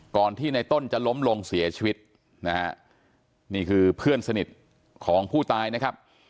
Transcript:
ก่อนที่ในต้นจะล้มลงเสียชีวิตนะฮะนี่คือเพื่อนสนิทของผู้ตายนะครับ